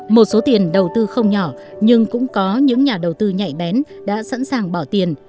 một số tiền đầu tư không nhỏ nhưng cũng có những nhà đầu tư nhạy bén đã sẵn sàng bỏ tiền